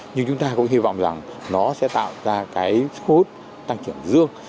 nhưng chúng ta cũng hy vọng rằng nó sẽ tạo ra cái khu tăng trưởng dương